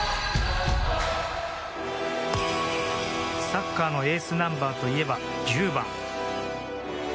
サッカーのエースナンバーといえば１０番。